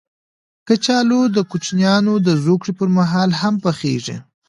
کچالو د کوچنیانو د زوکړې پر مهال هم پخېږي